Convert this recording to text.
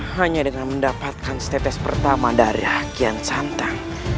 hanya dengan mendapatkan tetes pertama dari hakian santan